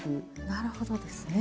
なるほどですね。